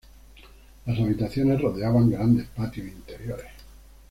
Las habitaciones rodeaban grandes patios interiores.